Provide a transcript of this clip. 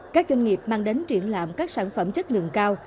các doanh nghiệp mang đến triển lãm các sản phẩm chất lượng cao